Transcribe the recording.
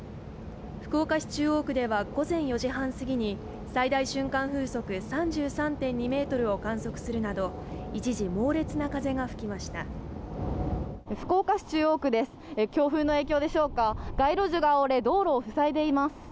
福岡市中央区では午前４時半過ぎに最大瞬間風速３３．２メートルを観測するなど一時猛烈な風が吹きました福岡市中央区です、強風の影響でしょうか街路樹が折れ道路を塞いでいます